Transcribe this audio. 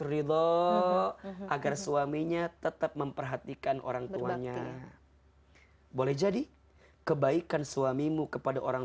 ridho agar suaminya tetap memperhatikan orang tuanya boleh jadi kebaikan suamimu kepada orang